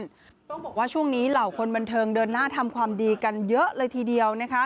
ต้องบอกว่าช่วงนี้เหล่าคนบันเทิงเดินหน้าทำความดีกันเยอะเลยทีเดียวนะคะ